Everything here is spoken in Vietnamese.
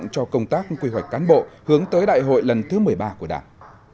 cho công tác quy hoạch cán bộ hướng tới đại hội lần thứ một mươi ba của đảng